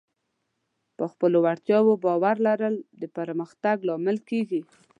په خپلو وړتیاوو باور لرل د پرمختګ لامل کېږي.